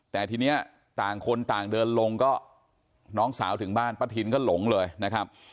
แต่ทีนี้ต่างคนต่างเดินลงก็น้องสาวถึงบ้านป้าทินก็หลงเลยนะครับ